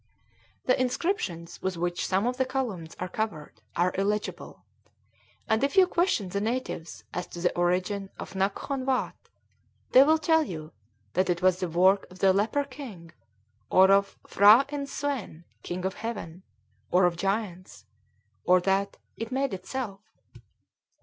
The inscriptions with which some of the columns are covered are illegible; and if you question the natives as to the origin of Naghkon Watt, they will tell you that it was the work of the Leper King, or of P'hra Inn Suen, King of Heaven, or of giants, or that "it made itself."